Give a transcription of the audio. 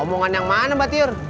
omongan yang mana mbak tiur